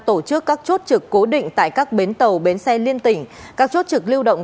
tổ chức các chốt trực cố định tại các bến tàu bến xe liên tỉnh các chốt trực lưu động